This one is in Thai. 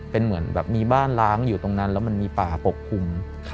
เป็นเหมือนแบบมีบ้านล้างอยู่ตรงนั้นแล้วมันมีป่าปกคลุม